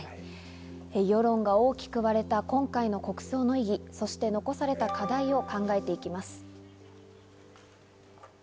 世論が大きく割れた今回の国葬の意義、そして残された課題を考えていきます。